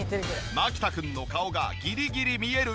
牧田君の顔がギリギリ見える位置。